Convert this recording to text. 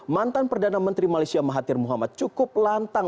mantan perdana menteri malaysia mahathir muhammad cukup lantang